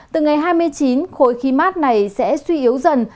từ ngày hai mươi chín khối khí mát này sẽ suy yếu dần